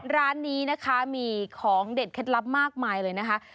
ร้านนี้นะคะมีของเด็ดเคล็ดลับมากมายเลยนะคะ